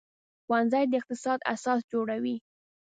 ښوونځی د اقتصاد اساس جوړوي